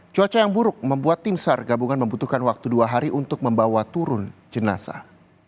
cuaca yang buruk membuat tim sar gabungan membutuhkan waktu dua hari untuk membawa turun jenazah